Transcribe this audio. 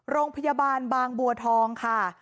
โรงพยาบาลบางบัวทองค่ะ